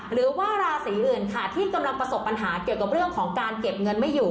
หรือว่าราศีอื่นค่ะที่กำลังประสบปัญหาเกี่ยวกับเรื่องของการเก็บเงินไม่อยู่